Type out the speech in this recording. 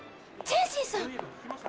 チェンシンさん！